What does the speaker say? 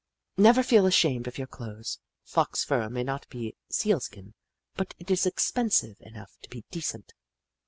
" Never feel ashamed of your clothes. Fox fur may not be Sealskin, but it is expensive enough to be decent.